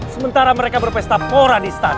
sementara mereka berpesta puran istan